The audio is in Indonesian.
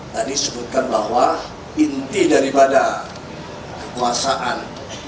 tadi sebutkan bahwa inti daripada kekuasaan